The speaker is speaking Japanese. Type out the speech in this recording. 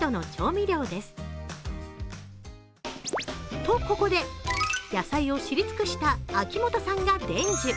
と、ここで、野菜を知り尽くした秋元さんが伝授。